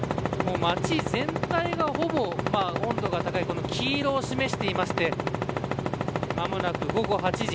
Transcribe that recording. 街全体がほぼ温度が高い黄色を示していまして間もなく午後８時。